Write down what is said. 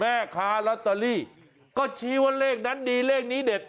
แม่ค้าลอตเตอรี่ก็ชี้ว่าเลขนั้นดีเลขนี้เด็ด